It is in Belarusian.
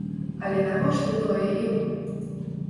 Але навошта тое ім?